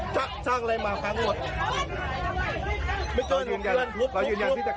เรายืนยันที่จะขายต่อไปเนาะ